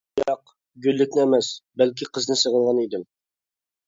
ياق، گۈللۈكنى ئەمەس، بەلكى قىزنى سېغىنغان ئىدىم.